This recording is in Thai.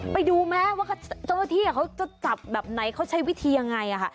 ไปดูแม้ว่าเจ้าพะที่เขาจะจับแบบไหนเขาใช้วิธียังไงอ่ะค่ะ